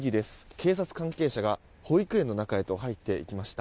警察関係者が、保育園の中へと入っていきました。